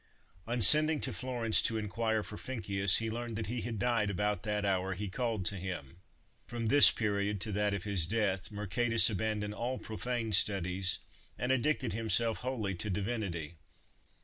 On sending to Florence to inquire for Ficinus, he learned that he had died about that hour he called to him. From this period to that of his death, Mercatus abandoned all profane studies, and addicted himself wholly to divinity.